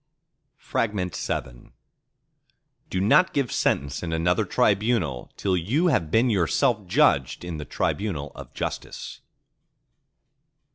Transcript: VII Do not give sentence in another tribunal till you have been yourself judged in the tribunal of Justice.